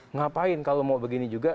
ngapain kalau mau begini juga